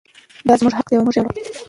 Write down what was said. دا زموږ حق دی او موږ یې غواړو.